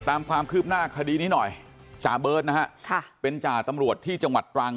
ตามความคืบหน้าคดีนี้หน่อยจ่าเบิร์ตนะฮะค่ะเป็นจ่าตำรวจที่จังหวัดตรัง